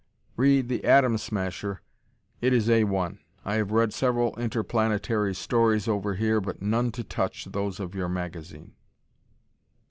Re "The Atom Smasher," it is A 1. I have read several interplanetary stories over here but none to touch those of your magazine.